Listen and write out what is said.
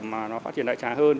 mà nó phát triển đại trá hơn